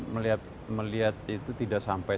melihat itu tidak sampai